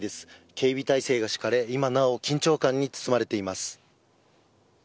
警備態勢が敷かれ今なお緊張感に包まれています。